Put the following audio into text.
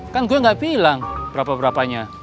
kan gue gak bilang berapa berapanya